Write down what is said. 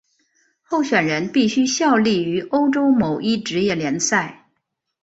候选人必须效力于欧洲某一职业联赛。